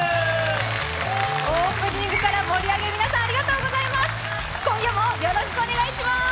オープニングから盛り上げ、ありがとうございます。